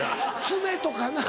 爪とかな。